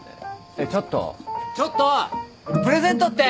ちょっとちょっとプレゼントって！？